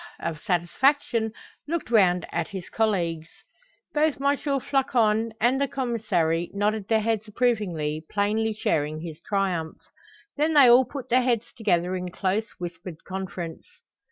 of satisfaction, looked round at his colleagues. Both M. Floçon and the Commissary nodded their heads approvingly, plainly sharing his triumph. Then they all put their heads together in close, whispered conference.